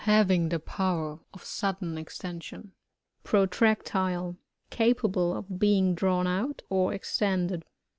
Having the power of sudden' extension. Protractile. — Capable of being drawn out, or extended.